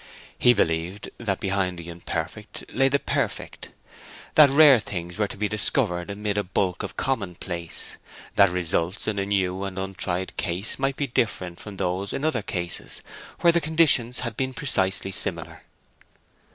He believed that behind the imperfect lay the perfect; that rare things were to be discovered amid a bulk of commonplace; that results in a new and untried case might be different from those in other cases where the conditions had been precisely similar.